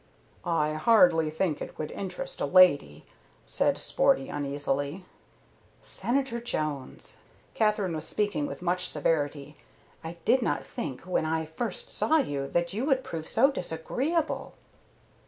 "I hardly think it would interest a lady," said Sporty, uneasily. "Senator Jones," Katherine was speaking with much severity, "I did not think when I first saw you that you could prove so disagreeable."